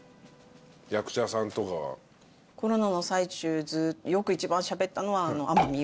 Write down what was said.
コロナの最中よく一番しゃべったのは。